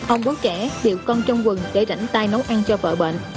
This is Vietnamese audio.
ông bố kẻ điệu con trong quần để rảnh tay nấu ăn cho vợ bệnh